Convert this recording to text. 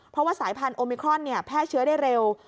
เพราะว่าสายพันธุมิครอนแพร่เชื้อได้เร็ว